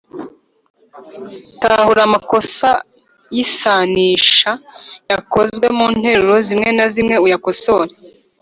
tahura amakosa y’isanisha yakozwe mu nteruro zimwe na zimwe uyakosore.